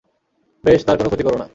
বেশ, তার কোনো ক্ষতি কোরো না।